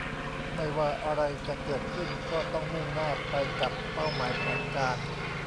ไม่ว่าอะไรจะเกิดขึ้นก็ต้องมุ่งหน้าไปกับเป้าหมายแผนการ